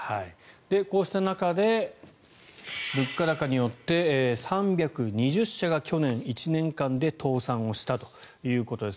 こうした中で物価高によって３２０社が去年１年間で倒産したということです。